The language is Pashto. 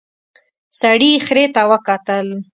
سړي خرې ته وکتل.